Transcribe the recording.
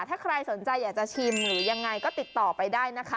ถ้าใครสนใจอยากจะชิมหรือยังไงก็ติดต่อไปได้นะคะ